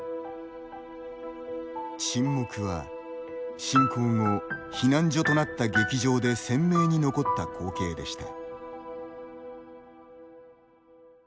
「沈黙」は侵攻後避難所となった劇場で鮮明に残った光景でした。